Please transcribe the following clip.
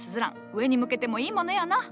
上に向けてもいいものよのう。